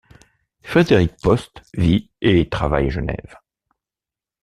Frédéric Post vit et travaille à Genève.